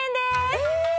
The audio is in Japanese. えっ！